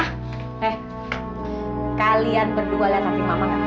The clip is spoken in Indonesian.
eh kalian berdua lihat anting mama gak